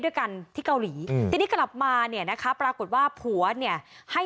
ด้วยกันที่เกาหลีอืมทีนี้กลับมาเนี่ยนะคะปรากฏว่าผัวเนี่ยให้